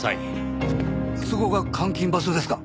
そこが監禁場所ですか？